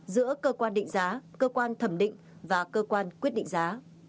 giữa cơ quan định giá cơ quan thẩm định và cơ quan quyết định giá